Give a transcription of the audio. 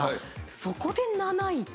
そこで７位って。